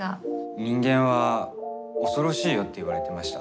人間は恐ろしいよって言われてました。